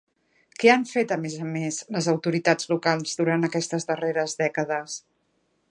Què han fet, a més a més, les autoritats locals durant aquestes darreres dècades?